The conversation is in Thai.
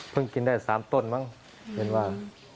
กินได้๓ต้นมั้งเห็นว่า